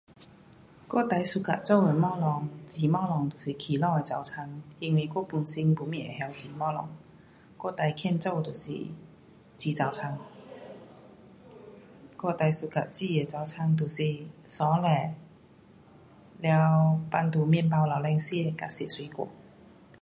我最 suka 做的东西煮东西就是起早的早餐，因为我本身没什么会晓煮东西。我最棒做的就是煮早餐。我最 suka 煮的早餐就是沸蛋，了放在面包楼顶吃，跟吃水果。